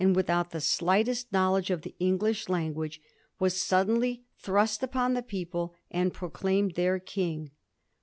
» 79 out the slightest knowledge of the English language, was suddenly thrust upon the people and proclaimed their king.